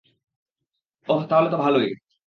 অহ, তাহলে তো ভালোই।